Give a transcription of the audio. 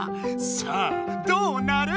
さあどうなる？